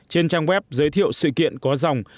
trên trang web giới thiệu sự kiện có dòng